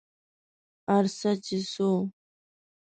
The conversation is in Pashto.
ارڅه چې څو